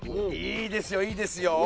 いいですよいいですよ。